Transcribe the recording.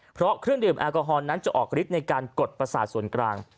เพราะเครื่องดื่มแอลกอฮอลนั้นจะออกฤทธิ์ในการกดประสาทส่วนกลาง